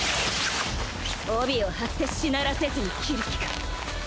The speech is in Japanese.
帯を張ってしならせずに斬る気か